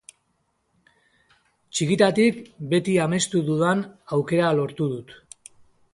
Txikitatik beti amestu dudan aukera lortu dut.